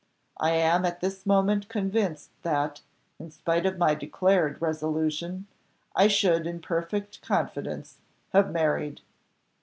I am at this moment convinced that, in spite of my declared resolution, I should in perfect confidence, have married."